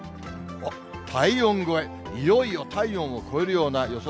体温超え、いよいよ体温を超えるような予想